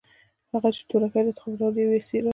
هغه چې تورکي راڅخه پټول او يا يې څيرل.